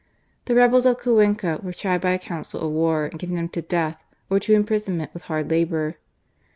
The rebels df Cuenca were tried Iry^ a council of war and con demned to death, or to imprisonment with hard labour.